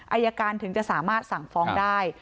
อายการถึงจะสามารถสั่งฟ้องได้